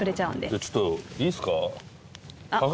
じゃあちょっといいっすか？